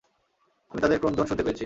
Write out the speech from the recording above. আমি তাদের ক্রন্দন শুনতে পেয়েছি।